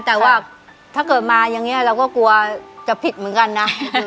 แต่ว่าถ้าเกิดมาอย่างนี้เราก็กลัวจะผิดเหมือนกันนะ